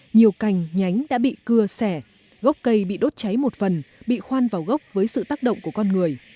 nhiều cành nhánh đã bị cưa xẻ gốc cây bị đốt cháy một phần bị khoan vào gốc với sự tác động của con người